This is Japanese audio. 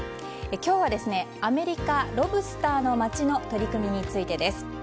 今日は、アメリカロブスターの町の取り組みについてです。